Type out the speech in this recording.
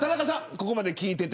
ここまで聞いていて。